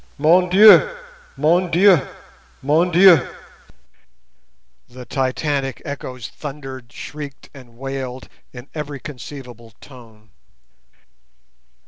"Mon Dieu! Mon Dieu! Mon Dieu!" the Titanic echoes thundered, shrieked, and wailed in every conceivable tone.